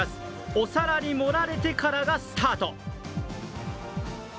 お皿に盛られてからがスタート。